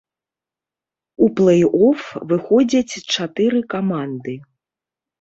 У плэй-оф выходзяць чатыры каманды.